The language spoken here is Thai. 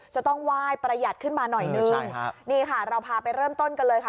จะต้องไหว้ประหยัดขึ้นมาหน่อยนึงใช่ฮะนี่ค่ะเราพาไปเริ่มต้นกันเลยค่ะ